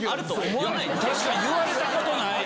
確かに言われたことない。